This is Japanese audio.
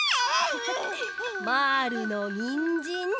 まぁるのにんじん。